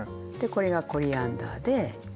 これがコリアンダーで。